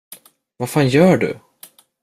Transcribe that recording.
Vad fan gör du?